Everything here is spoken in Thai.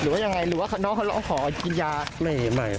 หรือว่ายังไงหรือว่าน้องเขาขอกินยาไม่ไม่